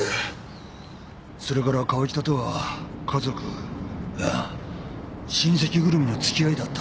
それから川喜多とは家族いや親戚ぐるみの付き合いだった。